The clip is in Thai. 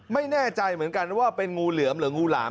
ไม่แน่ใจเหมือนกันว่าเป็นงูเหลือมหรืองูหลาม